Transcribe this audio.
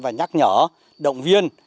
và nhắc nhở động viên